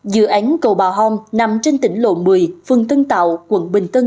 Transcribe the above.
dự án cậu bà hôm nằm trên tỉnh lộ một mươi phương tân tạo quận bình tân